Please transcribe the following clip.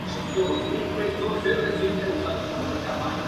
Así, se convirtió en el primer civil en ocupar dicho cargo.